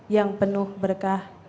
yang penuh berkah